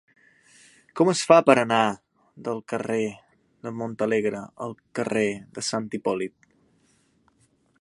Com es fa per anar del carrer de Montalegre al carrer de Sant Hipòlit?